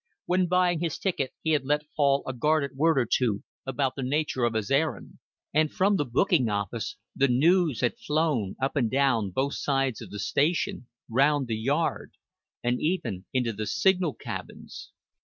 When buying his ticket he had let fall a guarded word or two about the nature of his errand, and from the booking office the news had flown up and down both sides of the station, round the yard, and even into the signal cabins.